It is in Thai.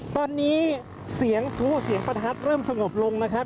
ตอนนี้เสียงพลุเสียงประทัดเริ่มสงบลงนะครับ